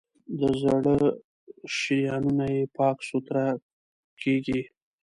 د زړه شریانونه یې پاک سوتړه کېږي.